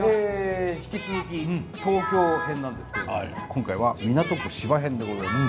引き続き東京編なんですけれども今回は港区芝編でございます。